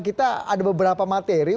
kita ada beberapa materi